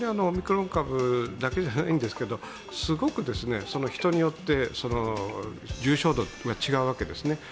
オミクロン株だけじゃないんですけどすごく人によって重症度が違うわけですね。